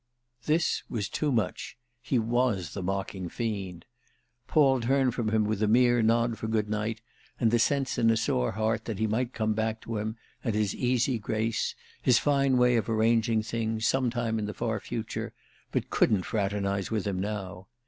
This was too much—he was the mocking fiend. Paul turned from him with a mere nod for good night and the sense in a sore heart that he might come back to him and his easy grace, his fine way of arranging things, some time in the far future, but couldn't fraternise with him now.